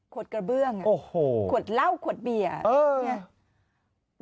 ขวดกระเบื้องขวดเหล้าขวดเบียด